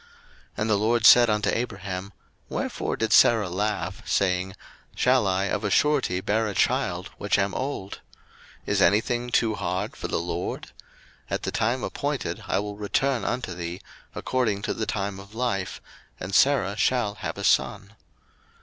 01:018:013 And the LORD said unto Abraham, Wherefore did Sarah laugh, saying, Shall I of a surety bear a child, which am old? 01:018:014 Is any thing too hard for the LORD? At the time appointed I will return unto thee, according to the time of life, and Sarah shall have a son.